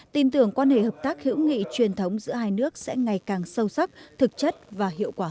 tin tưởng quan hệ hợp tác hữu nghị truyền thống giữa hai nước sẽ ngày càng sâu sắc thực chất và hiệu quả